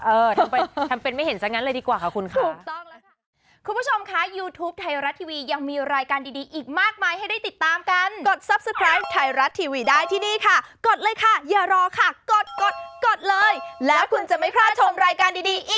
ทำไมทำเป็นไม่เห็นซะงั้นเลยดีกว่าค่ะคุณค่ะ